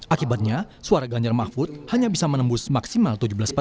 akibatnya suara ganjar mahfud hanya bisa menembus maksimal tujuh belas empat puluh